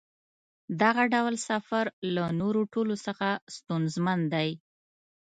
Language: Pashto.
دغه ډول سفر له نورو ټولو څخه ستونزمن دی.